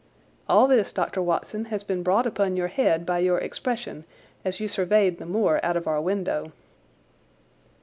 All this, Dr. Watson, has been brought upon your head by your expression as you surveyed the moor out of our window."